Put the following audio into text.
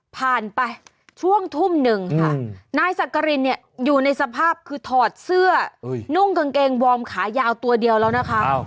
ผ่านไปช่วงทุ่มหนึ่งค่ะนายสักกรินเนี่ยอยู่ในสภาพคือถอดเสื้อนุ่งกางเกงวอร์มขายาวตัวเดียวแล้วนะคะ